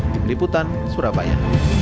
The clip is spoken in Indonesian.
di beliputan surabaya